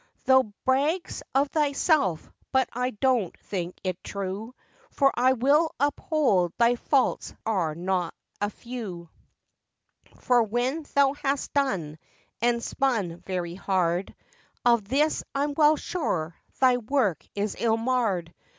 'Thou brags of thyself, but I don't think it true, For I will uphold thy faults are not a few; For when thou hast done, and spun very hard, Of this I'm well sure, thy work is ill marred.